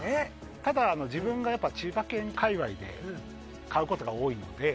ただ自分が、千葉県界隈で買うことが多いので。